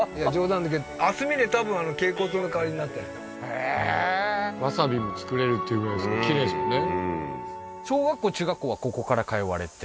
へえーわさびも作れるっていうぐらいですからきれいですもんね